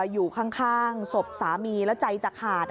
อยู่ข้างศพสามีแล้วใจจะขาด